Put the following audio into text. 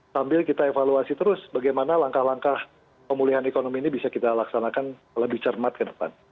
sambil kita evaluasi terus bagaimana langkah langkah pemulihan ekonomi ini bisa kita laksanakan lebih cermat ke depan